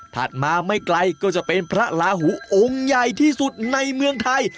ถัดมาไม่ไกลก็จะเป็นพระลาหูองค์ใหญ่ที่สุดในเมืองไทย